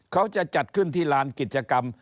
เขาจะจัดขึ้นที่ลานกิจกรรม